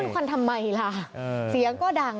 ควันทำไมล่ะเสียงก็ดัง